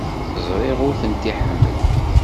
Ẓriɣ ur tent-iḥemmel.